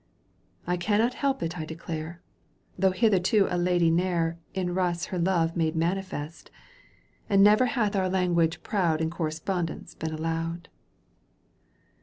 I cannot help it I declare, Though hitherto a lady ne'er In Euss her love made manifest, And never hath our language proud In correspondence been allowed.